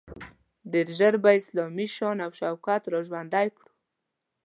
ډیر ژر به اسلامي شان او شوکت را ژوندی کړو.